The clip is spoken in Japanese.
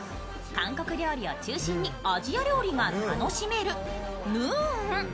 韓国料理を中心にアジア料理を楽しめるＮＯＯＮ。